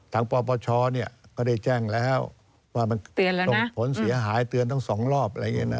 ทางปปชเนี่ยก็ได้แจ้งแล้วว่ามันต้องผลเสียหายเตือนตั้ง๒รอบ